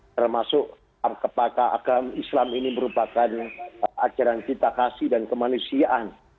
termasuk apakah agama islam ini merupakan ajaran kita kasih dan kemanusiaan